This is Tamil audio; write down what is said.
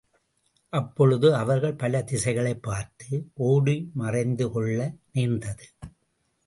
அப்பொழுது அவர்கள் பல திசைகளைப் பார்த்து ஒடிமறைந்துகொள்ள நேர்ந்தது.